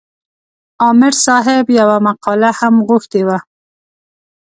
عامر صاحب یوه مقاله هم غوښتې وه.